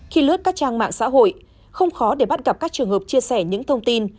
khi lướt các trang mạng xã hội không khó để bắt gặp các trường hợp chia sẻ những thông tin